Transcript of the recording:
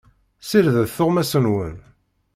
Ssirdet tuɣmas-nwen.